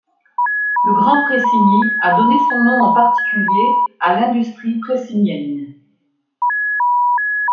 Le Grand-Pressigny a donné son nom en particulier à l'industrie pressignienne.